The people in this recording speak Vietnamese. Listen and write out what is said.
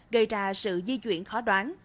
gây ra sự di chuyển khó đoán